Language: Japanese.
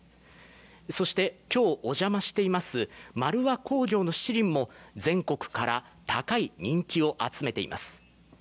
そして今日、お邪魔していますまるわ工業のしちりんも全国から高い人気を集めています。